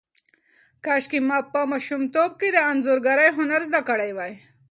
کاشکې ما په ماشومتوب کې د انځورګرۍ هنر زده کړی وای.